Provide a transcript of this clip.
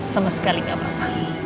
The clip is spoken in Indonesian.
sama sekali tidak masalah